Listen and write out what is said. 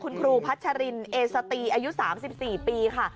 คุณครูพัชรินเอสตีอายุ๓๔ปีค่ะ